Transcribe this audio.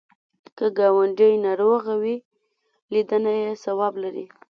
که ګاونډی ناروغ وي، لیدنه یې ثواب لري